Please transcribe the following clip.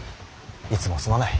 いつもすまない。